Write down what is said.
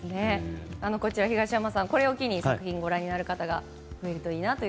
東山さん、これを機に作品をご覧になる方が増えるといいなと。